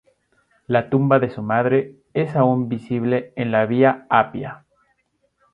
La tumba de su madre es aún visible en la Vía Apia.